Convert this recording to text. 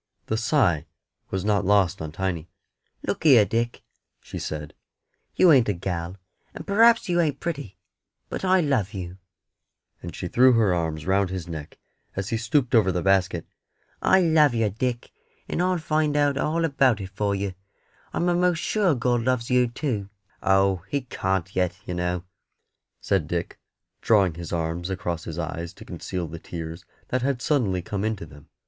The sigh was not lost on Tiny. "Look here, Dick," she said, "you ain't a gal, and p'r'aps you ain't pretty, but I love you;" and she threw her arms round his neck as he stooped over the basket. "I love yer, Dick, and I'll find out all about it for yer. I'm a'most sure God loves yer too." "Oh, He can't yet, yer know," said Dick, drawing his arms across his eyes to conceal the tears that had suddenly come into them.